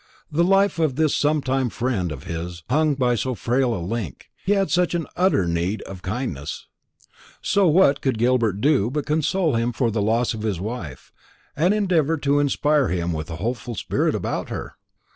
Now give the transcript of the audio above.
The life of this sometime friend of his hung by so frail a link, he had such utter need of kindness; so what could Gilbert do but console him for the loss of his wife, and endeavour to inspire him with a hopeful spirit about her?